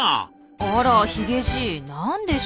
あらヒゲじいなんでしょう？